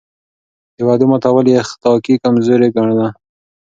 د وعدو ماتول يې اخلاقي کمزوري ګڼله.